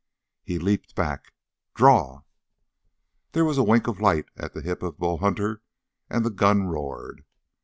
He leaped back. "Draw!" There was a wink of light at the hip of Bull Hunter, and the gun roared.